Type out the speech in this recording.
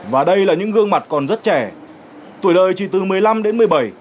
và đây là những gương mặt còn rất trẻ tuổi đời chỉ từ một mươi năm đến một mươi bảy